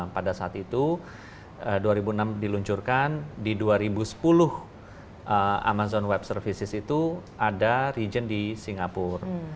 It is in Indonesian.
pada saat itu dua ribu enam diluncurkan di dua ribu sepuluh amazon web services itu ada region di singapura